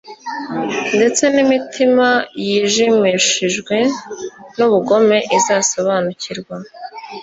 Ndetse n'imitima yijimishijwe n'ubugome, izasobanukirwa.